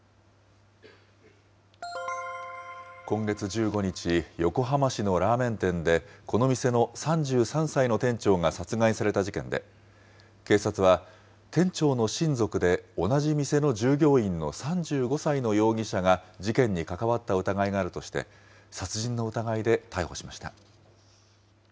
今月１５日、横浜市のラーメン店で、この店の３３歳の店長が殺害された事件で、警察は、店長の親族で同じ店の従業員の３５歳の容疑者が事件に関わった疑いがあるとして、殺人の疑いで逮捕しました。